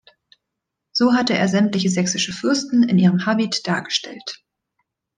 So hatte er sämtliche sächsische Fürsten in ihrem Habit dargestellt.